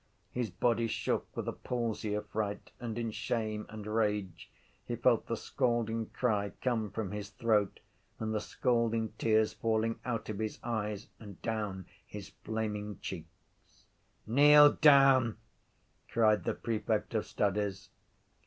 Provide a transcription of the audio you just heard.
His body shook with a palsy of fright and in shame and rage he felt the scalding cry come from his throat and the scalding tears falling out of his eyes and down his flaming cheeks. —Kneel down, cried the prefect of studies.